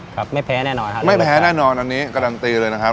ครับไม่แพ้แน่นอนครับไม่แพ้แน่นอนอันนี้การันตีเลยนะครับ